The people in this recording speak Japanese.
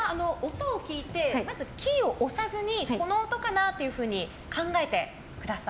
音を聞いてまずキーを押さずにこの音かなって考えてください。